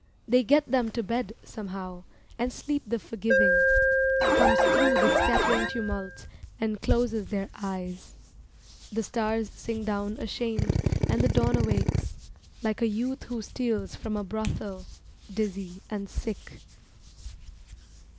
They get them to bed, somehow, And sleep the forgiving, Comes thru the scattering tumult And closes their eyes. The stars sink down ashamed And the dawn awakes, Like a youth who steals from a brothel, Dizzy and sick.